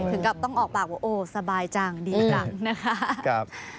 ถึงกับต้องออกปากว่าโอ้สบายจังดีจังนะคะ